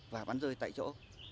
và bắn rơi tại chỗ